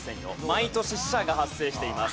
毎年死者が発生しています。